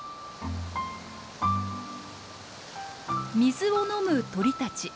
水を飲む鳥たち。